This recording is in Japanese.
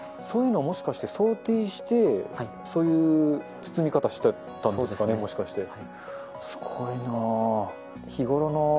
そういうの、もしかして想定して、そういう包み方をしてたんですかね、もしかして。